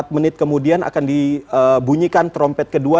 empat menit kemudian akan dibunyikan trompet kedua